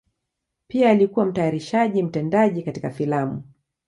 Pia alikuwa mtayarishaji mtendaji katika filamu.